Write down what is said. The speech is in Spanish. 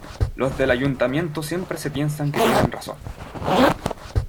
Los del ayuntamiento siempre se piensan que tienen razón.